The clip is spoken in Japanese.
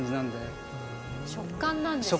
食感なんですね。